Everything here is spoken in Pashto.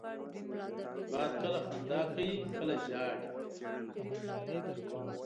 باد کله خندا کوي، کله ژاړي